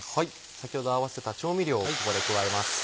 先ほど合わせた調味料をここで加えます。